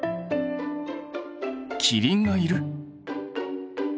キリンがいる！？